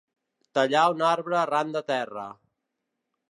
Tallar un arbre arran de terra.